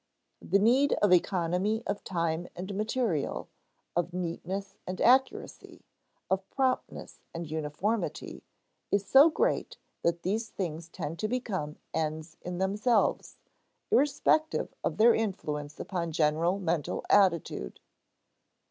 the need of economy of time and material, of neatness and accuracy, of promptness and uniformity, is so great that these things tend to become ends in themselves, irrespective of their influence upon general mental attitude.